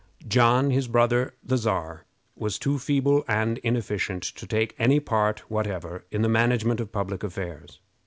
John, his brother Czar, was too feeble and inefficient to take any part whatever in the management of public affairs.